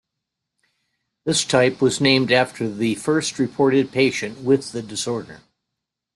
This type was named after the first reported patient with the disorder.